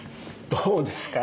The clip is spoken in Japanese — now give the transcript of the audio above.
どうですか？